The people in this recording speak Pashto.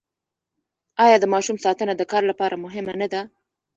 آیا د ماشوم ساتنه د کار لپاره مهمه نه ده؟